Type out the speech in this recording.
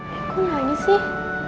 kok gak ini sih